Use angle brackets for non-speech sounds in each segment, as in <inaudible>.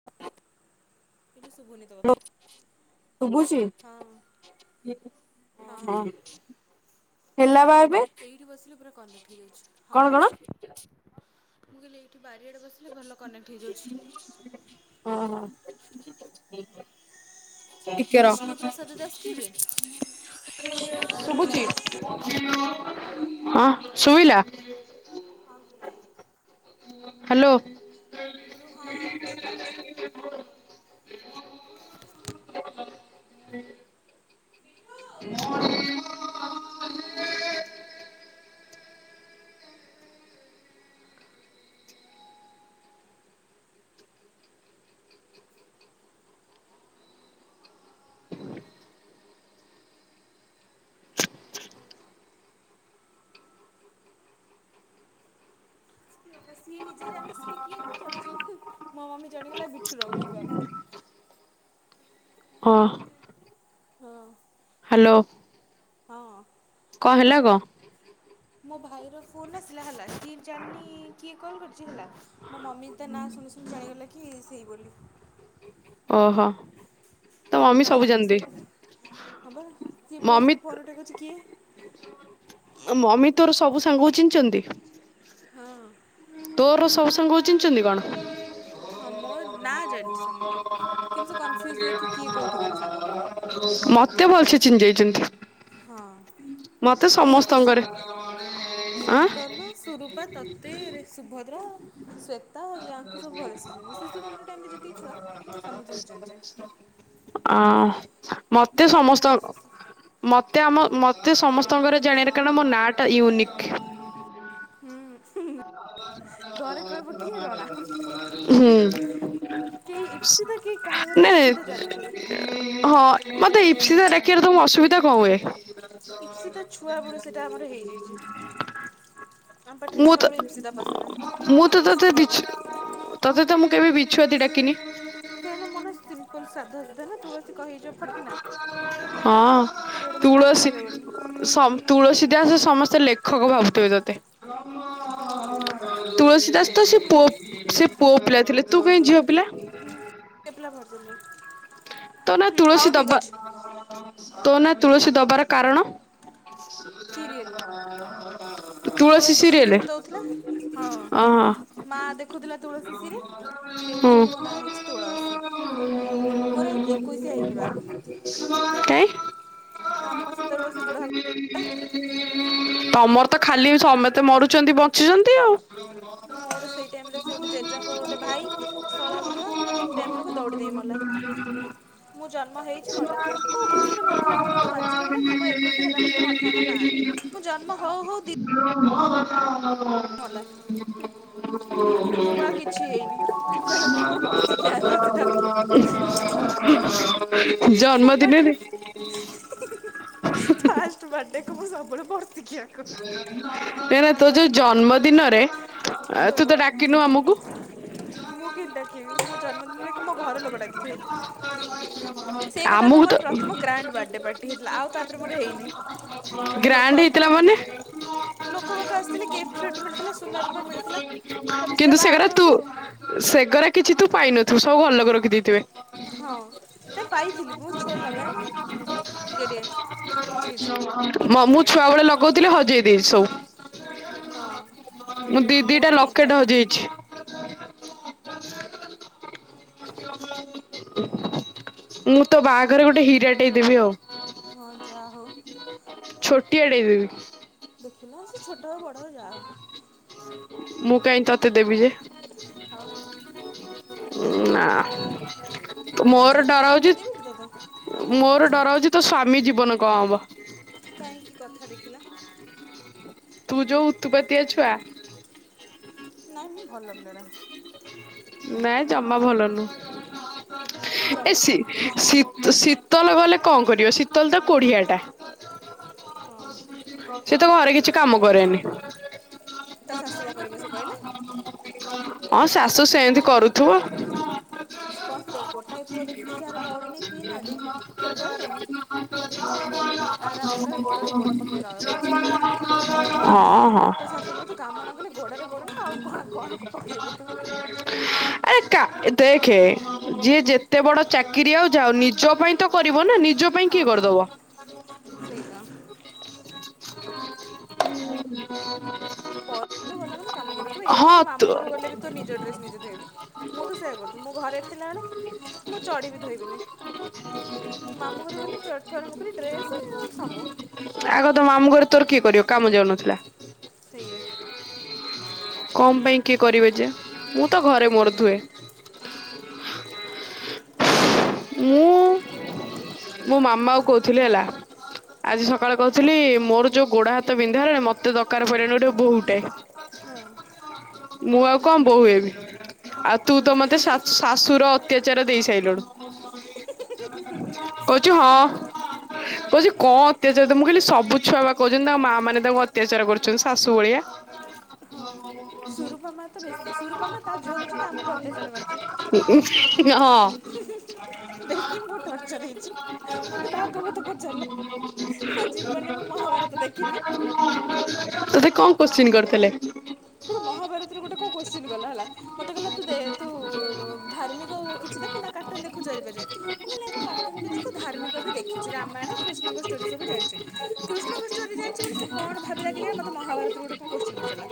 <inaudible> କିନ୍ତୁ ଶୁଭୁନି। ତୋ କଥା ହ୍ୟାଲୋ ହଁ ଶୁଭୁଛି ହଁ। ହେଲା ପା ଏବେ। ଏଇଠି ବସିଲେ ପୁରା କନେକ୍ଟ ହେଇଯାଉଛି ହଁ କଣ ପା କଣ? ମୁଁ କହିଲି ଏଇଠି ବାରିଆଡେ ବସି ହେଲେ ଭଲ କନେକ୍ଟ ହେଇଯାଉଛି। ଓହୋ। ଟିକେ ରହ। ବିଷ୍ଣୁ ପ୍ରସାଦ ଦାସ କିଏ ବେ ଶୁଭୁଛି ହ୍ୟାଲୋ ହଁ ଶୁଭିଲା। ହଁ କିଏ? ହ୍ୟାଲୋ। ଗୁରୁ ହଁ ଅଛି ଯାଉଛି। <inaudible> <inaudible> ସିଏ ନିଜେ ଜାଣିନି ସିଏ କିଏ ପଚାରୁଛି ମୋ ମମି ଜାଣିଗଲା ମୀଠୁର ବୋଲି କଲ୍। ହଁ। ହଁ ହ୍ୟାଲୋ। ହଁ। କଁ ହେଲା କ ମୋ ଭାଇର ଫୋନ୍ ଆସିଲା ହେଲା, କିଏ ଜାଣିନି କିଏ କଲ୍ କରିଛି, ହେଲା ମୋ ମମି ତା ନାଁ ଶୁଣି ଶୁଣି ଜାଣିଗଲା କି ସେଇ ବୋଲି। ଓହୋ। ତୋ ମମି ତା ସବୁ ସାଙ୍ଗ ଜାଣନ୍ତି ସିଏ ହବ ସିଏ ମମି ସିଏ ଫୋନ୍ ଉଠେଇ କହୁଚି କିଏ? ମମି ତୋର ସବୁ ସାଙ୍ଗକୁ ଚିହ୍ନିଚନ୍ତି? ହଁ। ତୋର ସବୁ ସାଙ୍ଗ ଙ୍କୁ ଚିହ୍ନିଛନ୍ତି କଣ। ହଁ ମୁଁ ନା ଜାଣିଛି ସମସ୍ତେ କିନ୍ତୁ ସେ କନଫ୍ୟୁଜ୍ ହୁଏ କି କିଏ କେଉଠି କାର ସାଙ୍ଗ। ମତେ ଭଲସେ ଚିହ୍ନିଯାଇଛନ୍ତି। ହଁ ଏଇଠି ଶ ସମସ୍ତଙ୍କରେ ଆଁ ଶୀତଲ ସୁରୁ ପା ତତେରେ ସୁଭଦ୍ରା ଶ୍ଵେତା ୟାଙ୍କୁ ସବୁ ଭଲସେ ଚିହ୍ନିଛି, ଶିଶୁମନ୍ଦିର ଟାଇମ୍ ରେ ଯେତିକି ଛୁଆ। ସମସ୍ତଙ୍କୁ ଜାଣିଚି। ଆ ମୋ ମତେ ମମି ନା ସମସ୍ତଙ୍କ ମତେ ଆମ ମତେ ସମସ୍ତଙ୍କର ଜାଣିବାର କାରଣ ମୋ ନାଟା ୟୁନିକ୍। ହୁଁ। <unintelligible> ହୁଁ। କେହି ଇପ୍ସତା କେ କାହା ଘରେ ନାଇଁ ଇପ୍ସିତା ଜାଣିନଥିବେ। ହଁ ମୋତେ ଇପ୍ସିତା ଡାକିବାରେ ତମର ଅସୁବିଧା କଣ ହୁଏ? ଇପ୍ସିତା ଛୁଆ ବେଳୁ ସେଟା ଆମର ହେଇଯାଇଛି। ଆମ ପାଟିରେ ମୁଁ ତ ଛୁଆବେେଳେ ଇପ୍ସିିତା ପସେନା ମୁଁ ତ ଆମେ ତତେ ଇସ୍ପିତା ବିଛୁ କହୁ। ତତେ ତ ମୁଁ କେବେ ବିଛୁଆତି ଡାକିନି। କାହିଁକି ନା ମୋ ନାଁ ସି ଲ ସାଧା ସିଧା ନା ତୁଳସୀ କହି ହେଇଯିବ ଫଟକିନା ହଁ ତୋର ଏଡେ ବଡ଼ ନା ତୁଳସୀ କହିହବନି। ତୁଳସୀ ଦାସ ସମସ୍ତେ ଲେଖକ ଭାବୁଥିବେ ତତେ। ହଁ ତୁଳସୀ ଦାସ ତ ସେ ଲେଖକ ପୁ ନା ସେ ପୁଅ ପିଲା ଥିଲେ ତୁ କାଇଁ ଝିଅ ପିଲା। ଁ। <unintelligible> କେତେ ପିଲା ବାହାରୁଛନ୍ତି। ତୋ ନା ତୁଳସୀ ଦବା ତୋ ନା ହୁଁ ତୁଳସୀ ଦବାର କାରଣ? ସିରିଏଲ ତୁଳସୀ ସିରିଏଲ ଦେଉଥିଲା, ହଁ। ଅହ ମା ଦେଖୁଥିଲା ତୁଳସୀ ସିରୀଏଲ, ସେଉଠୁ ହୁଁ ସେଉଠୁ ମୋ ନା ହେଇଛି ତୁଳସୀ। ମୋର ଏ କାଇଁ ଆମ ସେତେବେଳେ ସେ ବୁଢ଼ା <unintelligible> ଥିଲା। ତମର ତ ଖାଲି ସମତେ ମରୁଛନ୍ତି ବଞ୍ଚିଛନ୍ତି ଆଉ। ମୋର ସେଇ ଟାଇମ୍ ସେ ଗୋଟେ ଜେଜେଙ୍କ ଗୋଟେ ଭାଇ ଶଳା ବୁଢ଼ା ଠିକ୍ ଟାଇମ୍ ବେଳକୁ ଦୌଡ଼ି ଦେଇ ମଲା। <inaudible> ମୁଁ ଜନ୍ମ ହେଇଛି ମଲା କୋଉ ଖୁସିରେ ମରିଥିଲା କହିଲ ଗୋଟେ ବାଜ୍ୟ ଲୋକ ଟା ନୁହେଁ ମୋ ଏକୋଇଶିଆ ହେଲା ପରେ ମରିଥାନ୍ତା ନା। ମୁଁ ଜନ୍ମ ହଉ ହଉ <inaudible> ମଲା ହୁଁ। ମୋର ବାଳ କିଛି ହେଇନି ମୁଁ କଥାନ୍ତି ତ ମୋର ବର୍ସିକିଆ ହେଲା ସିଧା। ମୋ ପାଟି ରେ। ଜନ୍ମଦିନରେ <unintelligible> ଫାଷ୍ଟ ବାଡେ କୁ ମୁଁ ସବୁବେଳେ ବର୍ଶିକିୟା ଏରା ତୋ ଯୋଉ ଜନ୍ମଦିନରେ ତୁ ହଁ ତ ଡାକିନୁ ଆମକୁ। ମୁଁ କେମିତି ଡାକିବି, ମୋ ଜନ୍ମଦିନରେ ମୋ ଘର ଲୋକ ଡାକଥିବେ। ସେ ଗୋଟେ ଭି ଆମକୁ ତ ମୋର ପ୍ରଥମ ଗ୍ରାଣ୍ଡ ବାଡେ ପାର୍ଟି ହେଇଥିଲା, ଆଉ ତାପରେ ମୋର ହେଇନି। ଯୋଉଥିରେ ଲୋକ ଗ୍ରାଣ୍ଡ ଆସିଥିଲେ ହେଇଥିଲା ମୋତେ ମାନେ? ଗିଫ୍ଟ ଲୋକ ବାକ ଆସିଥିଲେ ଗିଫ୍ଟ ଫିଫ୍ଟ ମିଳିଥିଲା ସୁନା ରୂପା ମିଳିଥିଲା। ତାପରେ ସିଧା କିନ୍ତୁ ସେଗରା ବାହାଘର ତୁ ହବ ଆଉ ସେଗରା କିଛି ତୁ ପାଇନଥିବୁ, ସବୁ ଘର ଲୋକ ରଖିଦେଇଥିବେ। ହଁ ନାଇଁ ପାଇଥିଲି, ବହୁତ ଛୁଆ ବେଳେ ଲଗାଏ ନା ଟିକେ ଟିକେ କିଛି କିଛି। ମୁଁ ଛୁଆ ବେଳେ ଲଗଉଥିଲି ହଜେଇ ଦେଇଛି ସବୁ। ହଁ ମୁଁ ଦି ମୋର ଦିଟା ଠିକ୍ ଲକେଟ୍ ଠାକ୍ ଥିଲା। ହଯେଇଛି। ମୁଁ ତ ବାହାଘରେ ଗୋଟେ ହୀରାଟେ ଦେବି ଆଉ। ହଁ ଯା ହଉ। ଛୋଟିଆ ଟେ ଦେବୀ। ଦେଖିଲା ସେ ଛୋଟ ହଉ ବଡ଼ ହଉ ଯାହା ହଉ। ମୁଁ କାଇଁ ତତେ ଦେବି ଯେ? ଆଉ ନା କିଛି ମୋର ଡର ଆଣିଥିଲ ହଉଚି ମୁଁ ଦେବିଟି ତୋତେ ମୋର ଡର ହଉଛି, ତୋ ସ୍ଵାମୀ ଜୀବନ କଣ ହବ। କାହିଁକି କଥା ଦେଖିଲ। ତୁ ଯୋଉ ଉତ୍ତୁପାତିଆ ଛୁଆ। ନାଇଁ ମୁଁ ଭଲ ପିଲାଟା। ନାଇଁ ଜମା ଭଲନୁହ, ମୁଁ ଜମା ଏସି ସେମିତିଆ ଶୀତ ଛୁଆ ନୁହଁ ଶିତ୍ ଶୀତଲ ଗଲେ କଣ କରିବ ଶୀତଲ ତ କୋଢିଆଟା। ହଁ ସେ ତ ଘରେ କିଛି ସିଏ କାମ ମରିବ କରେନି ସିଏବା, ତା ଶାଶୁ ବା କରିବ ସେ କହିଲା। ହଁ ଶାଶୁ ସେମିତି କହିଲା ମୁଁ ଗୋଟାଏ କରୁଥିବ। ପୁଅ ଦେଖେ ସେ କ ଗୋଟାଏ ପୁଅ ଦେଖିଛି ଯାହାର ଭଉଣୀ ନାହିଁ କେହି ନାହାନ୍ତି ସେ ତାର କରିବନି। ହଁ ଅ। ଆରାମ କ ଗୋଡରେ ଗୋଡ ପକେଇ ର ବସିିବ। ହଁ ହଁ। ତ ଶାଶୁ କହିବ ତୁ କାମ ନ କଲେ ଗୋଡରେ ଗୋଡ ନା ଆଉ କଣ କଣ ପକେଇବୁ ତୁ। ଆଜା <inaudible> ଏକା ଦେଖେ, ଯିଏ ଯେତେ ବଡ଼ ଚାକିରି ଆଉ ଯାଉ ନିଜ ପାଇଁ ତ କରିବ ନା, ନିଜ ପାଇଁ ହଁ କିଏ କରିଦବ? ସେଇ ତ ହୁଁ <inaudible> ପରଘରକୁ କାମ ଗଲା ତ ଏଇଠୁ ତ ମାମୁ ଘରୁ ଗଲେ ବି ତ ନିଜ ଡ୍ରେସ ନିଜେ ଧୋଇବୁ। ମୁଁ ତ ସେଇୟା କରୁଛି, ମୋ ଘରେ ଥିଲାବେଳେ ମୁଁ ଚଡିବି ଧୋଇବିନି। ମାମୁ ଘରକୁ ଗଲେ ଚଡିଠୁ ଆରମ୍ଭ କରି ଡ୍ରେସ ସବୁ। ଆଗ ତମ ମାମୁ ଘରେ ତୋର କିଏ କରିବ କାମ ଯାଉନଥିଲା। ସେଇଆ। କଣ ପାଇଁ କିଏ କରିବ ଯେ, ମୁଁ ତ ଘରେ ମୋର ଧୁଏ। ହୁଁ ମୁଁ ମୁଁ ମାମା କୁ କହୁଥିଲି ହେଲା ଆଜି ହୁଁ ସକ କହୁଥିଲି ମୋର ଯୋଉ ଗୋଡା ହାତ ବିନ୍ଧା ହେଲାଣି ମତେ ଦରକାର ପଡ଼ିଲାଣି ଗୋଟେ ବୋହୁଟେ। ହଁ ମୁଁ ଆଉ କଣ ବୋହୁ ହେବି। ଆଉ ତୁ ହଁ ତ ମତେ ଶାଶୁ ଶାଶୁର ଅତ୍ୟାଚାର ଦେଇ ସାରିଲୁଣି। କହୁଛୁ ହଁ, କହୁଛି କଣ ଅତ୍ୟାଚାର ମୁଁ ତ୍ କହିଲି ସବୁ ଛୁଆ ବା କହୁଛନ୍ତି, ତାଙ୍କ ମା ମାନେ ତାଙ୍କୁ ଅତ୍ୟାଚାର କରୁଛନ୍ତି ଶାଶୁ ଭଳିଆ। ହଁ ସୁରୂପା ମା ତ ବେଶୀ ହ ସୁରୂପା ମା ତା ଝିଅ ଗଛରେ ଆମକୁ ଅତ୍ୟାଚାର <inaudible> କରିଛି ହଁ। ବେଶୀ ମୁଁ ଟର୍ଚର ହେଇଛି, ମତେ ଭାଗବତ ପଚାରିଲା। ମୋ ଜୀବନରେ ମୁଁ ମହାଭାରତ ଦେଖିନି। ତତେ କଣ କୋଶ୍ଚିିନ କରିଥିଲେ? ମତେ ମହାଭାରତର ଗୋଟେ କଣ କୋଶ୍ଚିନ କଲା ହେଲା। ମତେ କହିଲା ତୁ ଦେ ତୁ ଧାର୍ମିକ କିଛି ଦେଖୁ ନା କାଟୁନ ଦେଖୁଚ ଏବେ ଯାଏଁ? ମୁଁ କହିଲେ ମୁଁ କାର୍ଟୁନ ବି ଦେଖ ଧାର୍ମିକ ବି ଦେଖିଛି ରାମାୟଣ କୃଷ୍ଣ ସ୍ଟୋରି ସବୁ ଜାଣିଛି, କୃଷ୍ଣଙ୍କ ଷ୍ଟୋରି ଜଣିଛି ମାନେ ସେ କଣ ଭାବିଲା କେଜାଣି ମତେ ମହାଭାରତର ଗୋଟେ କଣ କୋତ୍ସିଁ ପଚାରିଲା।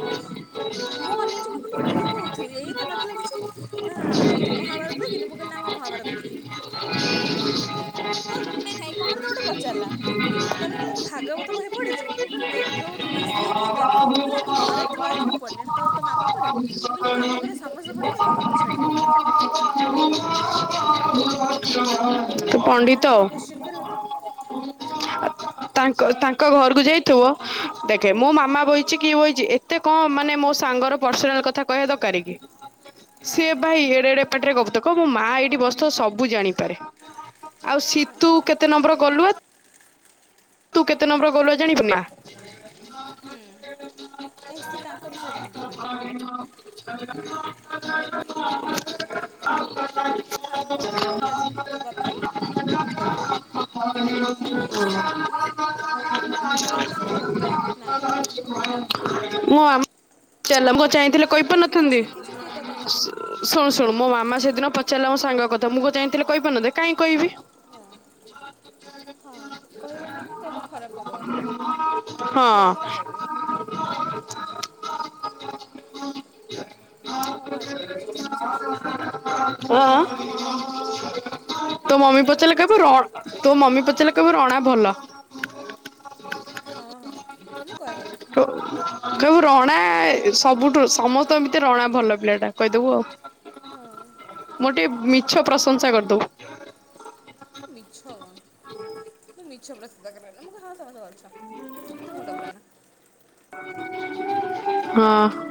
ମୁଁ ଅନେଇଛି ମୁଁ କହିଲି ଇଏ କୋଉଥିରୁ ଏଇ ତ ନଥିଲା କିଛି। ନା ତୁ ମହାଭାରତ ଦେଖିନୁ ମୁଁ କହିଲି ନା ମୁଁ ମହାଭାରତ ଦେଖିନି। ଆ <inaudible> ମୋର ମନେ ନାହିଁ କଣ ତ ଗୋଟେ ପଚାରିଲା। ତାପରେ କହିଲା ତୁ ଭାଗବତ ବହି ପଢିଛୁ ମୁଁ କହିଲି ଭାଗବତ ବହି ସିଏ କେନ୍ତିଆ। ମୁଁ କହିଲି ଆମ ଘରେ ଥୁଆଇଛି ମୁ ପଢିନି ତ ତୋ ମାମା ପଢେ? ମୁଁ କହିଲି ହଁ ଆମ ଘରେ ସମସ୍ତେ ପଢନ୍ତି ଏକା ମତେ ଛାଡିକି। <unintelligible> ଯେ ପଣ୍ଡିତ ଆଉ ଭୟଙ୍କର କୋଶ୍ଚିନ୍ କରିବ ତୁ ଆଁ ହଁ ତାଙ୍କ ତାଙ୍କ ଘରକୁ ଯାଇଥିବ ଦେଖେ ମୋ ମାମା ବହିଛି କିଏ ବହିଛି ଏତେ କଣ ମା ନାଇ ମୋ ସାଙ୍ଗର ପର୍ଶିନାଲ କଥା କହିବା ଦରକାର କି ହଁ ସିଏ ଭାଇ ଏଡ଼େ ଏଡେ ପଟିରେ ଗବୁତକ ମୋ ମା ଏଇଠି ବସଥିବ ସବୁ ଜାଣିପାରେ। ଆଉ ହଁ ସିତୁ କେତେ ନମ୍ବର ଗଲୁଆ ତୁ କେତେ ନମ୍ବର ଗଲୁଆ ଜାଣିବୁ ନା। ହୁଁ ଏ ସିଏ ତାଙ୍କ ବିଷୟରେ ଜାଣିପାରିବନି <unintelligible> <unintelligible> ଆମ ଆମ କଥା ଯାଇ ଗପି ଦବ ଆଉ କିଛି କହିପାରିବନି ମୁଁ ହିସାବରେ ଭା ଭାଇ ତୁ ତୋ ମା କୁ ତୋ ବିଷୟରେ କଉନୁ ନାହିଁ। <unintelligible> ମୁଁ ଆମ ଚା ଚାହିଁଥିଲେ ତାକୁ ତୁ କହିଥିବୁ ମୁଁ କହିପାରୁିନଥାନ୍ତି। ଛିଙ୍କିଛି ସେ କଥା ଘରେ ଯାଇକି ଶୁଣୁ ଶୁଣୁ ମୋ ମାମା ହୁଁ ସେଦିନ ପଚାରିଲା ମୋ ସାଙ୍ଗ କଥା ମୁଁ କଣ ଚାହିଁଥିଲି ହଁ କହିପାରି ନଥାନ୍ତି କାହିଁ କହିବି। ହଁ ହଁ। କହିବ କାହିଁକି ଗୋଟେ ଖରାପ ହବ କାହିଁକି ସିଏ ଓଲଟା ଭାବିବେ। <unintelligible> ଆଁ ଆଁ? ତୋ ମୋ ମା ବି ମମି ମୋତେ ପଚାରୁଥିଲା ମୁଁ କିଛି ପଚାରିଲେ କହିନି କହିବୁ ର ତୋ ମମି ମୋ ମମି ପଚାରିଲେ ପଚାରୁଥିଲା। କହିବୁ ରଣା ଭଲ। ହଁ ହଁ। ମୁଁ କହେ କହିବୁ ରଣା ସବୁଠୁ ସମସ୍ତଙ୍କ ଭିତରେ ରଣା ଭଲ ପିଲାଟା କହିଦବୁ ଆଉ। ହଁ ମୋର ଟିକେ ମିଛ ପ୍ରଶଂସା କରିଦବୁ। ମିଛ କଣ ତୁ ମିଚ୍ଛ <unintelligible> ମୁଣ୍ଡ ପୁରା ନା। ହଁ।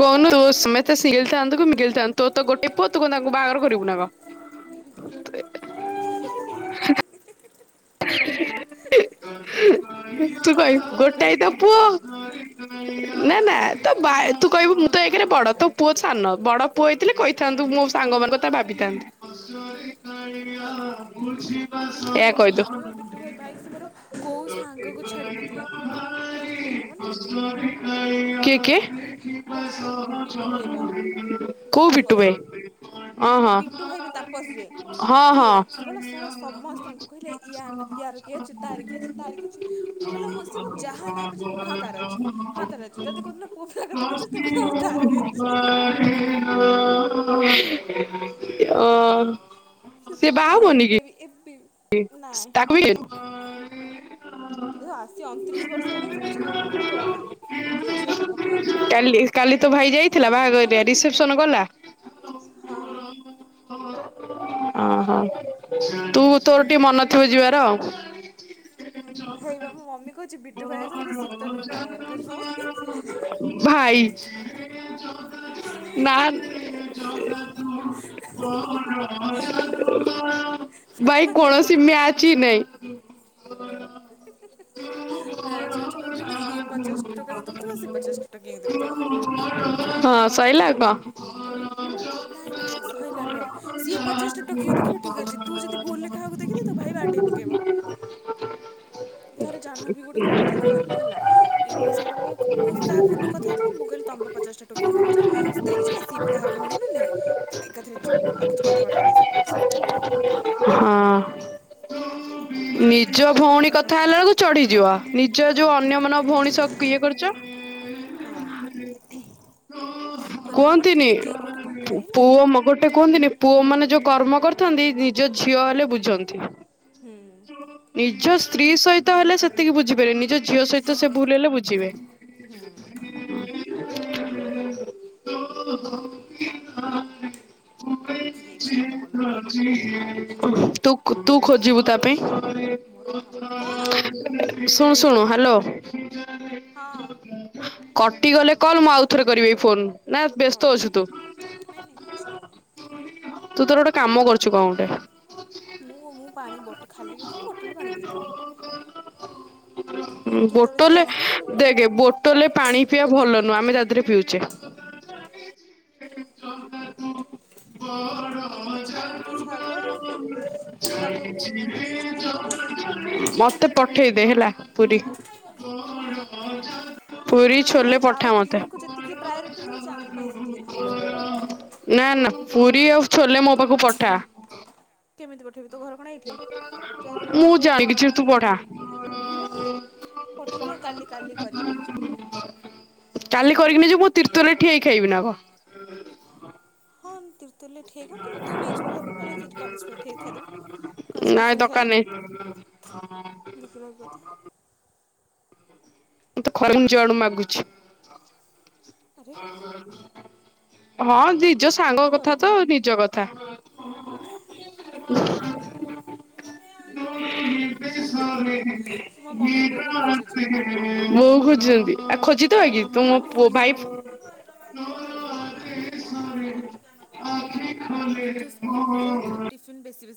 କହୁନୁ ତୁ ମେତେ ସିଙ୍ଗିଲ ଥାନ୍ତୁ କି ମୀଙ୍ଗିଲ ଥାନ୍ତୁ ତୋର ତ ଗୋଟେ ପୁଅ ତୁ କଣ ତାଙ୍କୁ ବାହାଘର କରିବୁ ନା କଣ। ତୁ କହଏ ତତେ ବୋହୁ ଗୋଟାଏ କରି ତ ପୁଅ ନା ନା ତ ବା ତୁ କହିବୁ ମୁଁ ତ ଏକରେ ବଡ ତୋ ପୁଅ ସାନ ବଡ ପୁଅ ହେଇଥିଲେ କହିଥାନ୍ତୁ ମୁଁ ହଁ ସାଙ୍ଗମାନଙ୍କ କଥା ଭାବିଥାନ୍ତି। ତ ବିଟୁ ଏହା ଭାଇ ତ କହିଦେ। ଭାବିବ ବିଟୁ ଭାଇ <unintelligible> ସାଙ୍ଗର। ପ୍ଲସ୍ ଟୁ ଟାଇମରେ ମନେ ଅଛି ଟି କିଏ କିଏ? ପ୍ଲସ୍ ଟୁ ଟାଇମରେ ବିଟୁ ଭାଇ ବା ଯୋଉ କୋଉ ବିଟୁ ତାପସ ଭାଇ? ହଁ ହଁ ବିଟୁ ଭାଇବେ ତାପସ ଯେ। ହଁ ସିଏ ହଁ କହିଲା ଶଳା ସମସ୍ତଙ୍କୁ କହିଲା ୟା ୟାର କିଏ ଅଛି ତାର କିଏ ଅଛି ତାର କିଏ କିଛି ମୁଁ କହିଲି ସିଏ ମୁଁ ଯାହା ନା ପଚାରିବ ମୁ କହିଲି ହଁ ତାର ଅଛି। ହଁ ତାର ଅଛି ଯଦି କୋଉ ଦିନ ପୁଅ ପିଲା କଥା ପଚାରିଥିବ ମୁ କହିବି ତାର ବି ଅଛି। ଅ ସେ ତ ବାହା ଭାଇ ହବନି କି? ଏବେ ବି ଏବେ ବି ନାଇଁ ତାକୁ ବି କେଜାଣି ଆସି ଅଣତିରିଶ ବର୍ଷ ହେଲାଇ ସେ କିଛି କୋଉଠି କରୁନାହାନ୍ତି କିଏ ଝିଅ ଦବ କାହାର କାମ ନାହିଁ। କାଲି କାଲି ତୋ ଭାଇ ଯାଇଥିଲା ବାହାଘରିଆ ତା ରେସିପ୍ସନ ଗଲା? ହଁ। ହଁ ବା ଓହୋ ତୁ ତୋର ଟିକେ ମନ ଥିବ ଯିବାର ଆଉ। ହୁଁ ହେଇବା ମୁଁ ମମି କହୁଛି ବିଟୁ ଭାଇ ସାଙ୍ଗରେ ଶୀତଲକୁ ବାହାଘର କରିବୁ। ଭାଇ। ନା। <unintelligible> ବାଇ କୌଣସି ମ୍ୟାଚ ହି ନାଇଁ। ମ୍ୟାଚ୍ ହଉଛି କଣ କହିଲୁ ଇଏ ପଚାଶ ଟଙ୍କା ଦେଖୁଥିବ ସେ ପଚାଶ ଟଙ୍କା ଦେଖୁଥିବ। <unintelligible> ହଁ ସଇ ଲାଗ। ନାଇଁ ନାଇଁ ସରିଲା ନୁହଁ ସିଏ ପଚାଶଟା ଟକିଅ ଦେଖିବ ଠିକ ଅଛି ତୁ ଯଦି ଭୁଲ ଏ କାହାକୁ ଦେଖି ତ ଭଇ ବାଡେଇ ପକେଇବ। ଥରେ ଜାହ୍ନବୀ ଗୋଟେ କୋଉ କଥାରେ କହିଲେ ହେଲା। ମୁଁ ସେଉଣ୍ଟୁ ମୁଁ କ୍ ମୁଁ ତା ଫୋନରୁ କଥାହଉଥିଲି ମୁଁ କହିଲି ତମେ ପା ପଚଶଟା ଟୋକିକୁ ଦେଖୁଛ ସେଥିରେ କିଛି ନାଇ ସିଏ ବି ଘାହାର ଭଉଣୀ ନା ନାଇଁ। ସେବେଠାରୁ। <unintelligible> ହଁ ନିଜ ଭଉଣୀ କଥା ଲକୁ ଚଢିଯିବ ହଁ ନିଜ ଯୋଉ ହଁ ଅନ୍ୟ ମାନଙ୍କ ଭଉଣୀ ସହ କିଏ କରୁଛ। ହଁ କହିଲା ନା କଣ କୁହନ୍ତିନି ତୋତେ କିଏ କୋଉଠି କଣ କହିଲେ ପୁଅ ମ ଗୋଟେ କୁହନ୍ତିନି। ପୁଅ ମାନେ ଯୋଉ କର୍ମ କରିଥାନ୍ତି ନିଜ ଝିଅ ହେଲେ ବୁଝନ୍ତି। ନିଜ ସ୍ତ୍ରୀ ସହିତ ହେଲେ ସେତିକି ବୁଝିପାରନି ନିଜ ଝିଅ ସହି ତ ସେ ଭୁଲ ହେଲେ ବୁଝିବେ। ତାକୁ କିଏ ଝିଅ ଦବ ଲୋ ମା <unintelligible> <unintelligible> ସେ ଯୋଉଭଳିଆ ତୁ ଲୋକ ତୁ ଖୋଜିବୁ ତା ପାଇଁ। ମୋର କାମନି କଣ ଶୁଣ ଶୁଣୁ ହ୍ୟାଲୋ। ହଁ। କଟିଗଲେ ହଁ କଲ ମୁଁ ଆଉ ଥରେ କରିବି ଫୋନ ନା ହଉ ବ୍ୟସ୍ତ ଅଛୁ ତୁ। ନାଇଁ ନାଇଁ ଅଛି କହୁନ। ତୁ ତୋର ଗୋଟେ କାମ କରୁଛୁ କଣ ଗୋଟେ? ମୁଁ ମୁଁ ପାଣି ବଟ ଖାଲି ବଥିଲି ବୋଟଲରେ ପାଣି ପୁରେଇ ଦେଲି। କେତେବେଳେ କିଏ ବୋଟଲେ ଆସିବ ପୁଣି ଦେଖେ ବୋ ଟଲେ ପାଣି ପିଇବା ଭଲ ନୁହଁ ଆମେ ତା ଦେହରେ ପିଉଛେ। <unintelligible> ହଁ ପୁରୀ ତ ଛାଣିବୁ ତୁ ଛାଗ ଆଉ ହୁଁ ଗାହାକୁ ରୁଟି ଛାଣିବା କଥା କହିଲେ ମତେ ପଠେଇଦେ ହେଲା ପୁରୀ। ହୁଁ ପୁରୀ ଆମ ଛୋଲେ ଘରେ ପଠା କାଉ ମତେ। କୁକୁରଙ୍କୁ ଯେତିକି ପ୍ରାୟୋରିଟି ମିଳୁଛି ଆମ ପାଇଁ ସେତିକି ନାହିଁ। ନା ନା ପୁରୀ ଆଉ ଛୋଲେ ମୋ ପାଖକୁ ପଠା। କେମିତି ପଠେଇବି ତୋ ଘର କଣ ଏଇଠି ଯା ମୁଁ ରହୁଛୁ କେଉଁ ଜାଣି କିଛି ତୁ କନ୍ଦିରେ। ପଠା ପଠେଇବି ଆଉ କାଲି କାଲି କରି ନେଇଯିବ। କାଲି କରିକିନି ଯେ ମୁଁ ତିର୍ତ ରେ ଠିଆ ହେଇ ଖାଇବି ନା କ। ହଁ ତିର୍ତଲରେ ଠିକ ହଅନ୍ତୁ ତୁ ନେଇଯିବୁ ଘରକୁ ନହେଲେ ସେଠ କଲେଜରେ ଠିକ ଖାଇଦେବୁ। କସ ନାଇଁ ଟିଫିନ ଖାଏ ଦରକାର ନାହିଁ ଦେଖିବା କଥା। ମତେ ଖରେମ ଜଆଡୁ ମାଗୁଛି। ଆରେ ହଁ ନିଜ ସାଙ୍ଗ କଥା ଖରାପ ତ ଲାଗିଲା। ନିଜ କଥା। ବୋଉ ମୋ ମମି ବୋହୂ ଖୋଜୁଛନ୍ତି ଖୋଜୁଛି ଆଉ ଖୋଜି ହଁ ଅନଫର୍ଚୁନେଟଲି ହ। ବିଠୁ ସ୍କୁଲକୁୁ ଯାଇ ଟିଫିନ୍ ବେଶୀ ବେଶୀ ନ